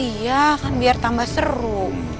iya kan biar tambah seru